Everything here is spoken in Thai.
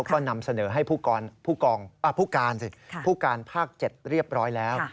ก็นำเสนอให้ผู้การภาค๗เรียบร้อยแล้ว